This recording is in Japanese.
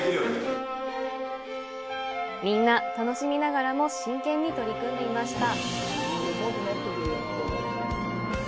みんな、楽しみながらも真剣に取り組んでいました。